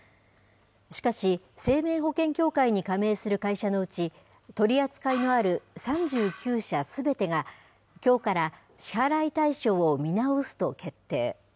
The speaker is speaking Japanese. しかし、生命保険協会に加盟する会社のうち、取り扱いのある３９社すべてが、きょうから支払い対象を見直すと決定。